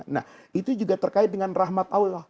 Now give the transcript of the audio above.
nah itu juga terkait dengan rahmat allah